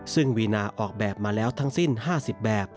ซึ่งวีนาธันทรัฐออกแบบมาแล้วทางสิ้น๕๐แบบ